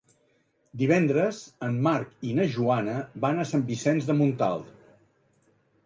Divendres en Marc i na Joana van a Sant Vicenç de Montalt.